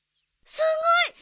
すごい！